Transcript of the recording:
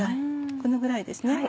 このぐらいですね。